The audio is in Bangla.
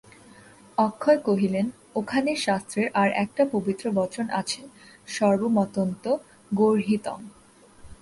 অক্ষয় কহিলেন, ওখানে শাস্ত্রের আর-একটা পবিত্র বচন আছে– সর্বমত্যন্ত-গর্হিতং।